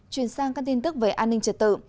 chuyển sang các tin tức về an ninh trật tự